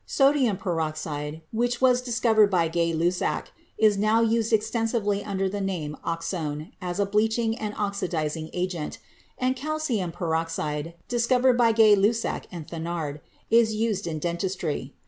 Sodium peroxide, which was discovered by Gay Lussac, is now used extensively under the name "oxone" as a bleaching and oxidizing agent, and calcium peroxide, discovered by Gay Lussac and Thenard, is used in den tistry.